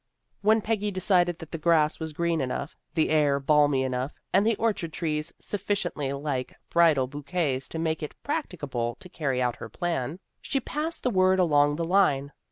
When Peggy decided that the grass was green enough, the air balmy enough, and the orchard trees sufficiently like bridal bouquets to make it practicable to carry out her plan, she passed the word along the line.